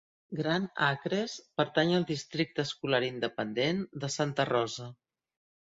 Grand Acres pertany al districte escolar independent de Santa Rosa.